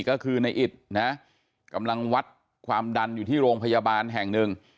ก็คือในอิตนะกำลังวัดความดันอยู่ที่โรงพยาบาลแห่งหนึ่ง